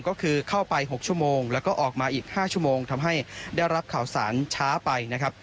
ก็คือเข้าไป๖ชั่วโมงแล้วก็ออกมาอีก๕ชั่วโมงทำให้ได้รับข่าวสารช้าไปนะครับ